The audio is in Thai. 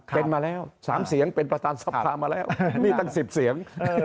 เป็นมาแล้ว๓เสียงเป็นประธานสภามาแล้วนี่ตั้ง๑๐เสียง